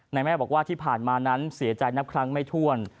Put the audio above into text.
แม่บอกว่าที่ผ่านมานั้นเสียใจนับครั้งไม่ถ้วน